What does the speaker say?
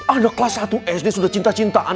ada kelas satu sd sudah cinta cintaan